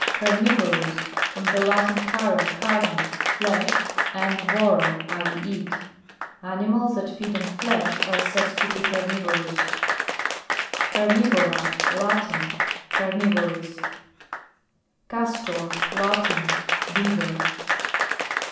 CARNIVOROUS. From the Latin, caro, carnis, flesh, and voro, I eat. Ani mals that feed on flesh, are said to be carnivorous. CARNIVORA, Latin. Carnivorou CASTOR. Latin. Beaver.